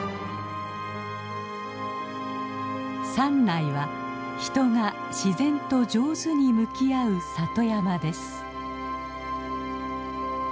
山内は人が自然と上手に向き合う里山です。